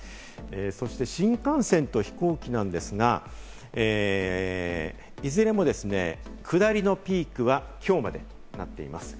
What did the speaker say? そして新幹線と飛行機なんですが、いずれもですね、下りのピークはきょうまでとなっています。